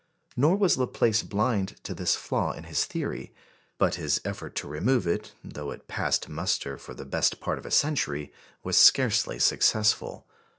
Nor was Laplace blind to this flaw in his theory; but his effort to remove it, though it passed muster for the best part of a century, was scarcely successful.